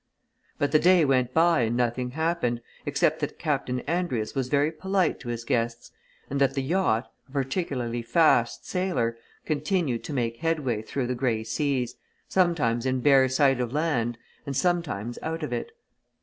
But the day went by and nothing happened, except that Captain Andrius was very polite to his guests and that the yacht, a particularly fast sailer, continued to make headway through the grey seas, sometimes in bare sight of land and sometimes out of it.